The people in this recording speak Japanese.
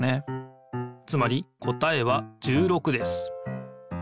つまり答えは１６です。